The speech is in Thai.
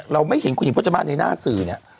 ไม่เห็นคุณหญิงพจมาสในหน้าสื่อเนี่ย